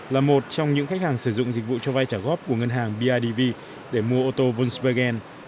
là một trong những khách hàng sử dụng dịch vụ cho vai trả góp của ngân hàng bidv để mua ô tô volksvergen